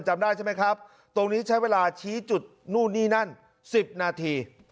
จำได้ใช่ไหมครับตรงนี้ใช้เวลาชี้จุดนู่นนี่นั่น๑๐นาที